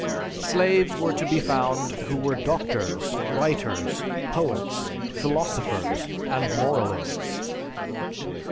Slaves were to be found who were doctors, writers, poets, philosophers, and moralists.